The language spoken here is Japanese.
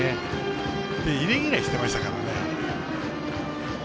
イレギュラーしてましたからね。